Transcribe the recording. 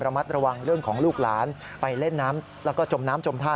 มัดระวังเรื่องของลูกหลานไปเล่นน้ำแล้วก็จมน้ำจมท่า